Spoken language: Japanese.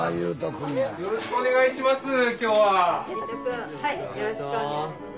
よろしくお願いします